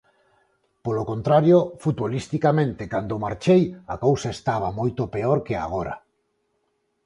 Polo contrario, futbolisticamente cando marchei a cousa estaba moito peor que agora.